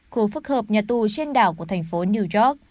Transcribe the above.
khu phức hợp nhà tù trên đảo của thành phố new york